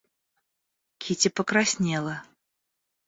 Кити покраснела.